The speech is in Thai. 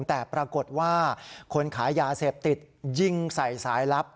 แต่ปรากฏว่าคนขายยาเสพติดยิงใส่สายลับ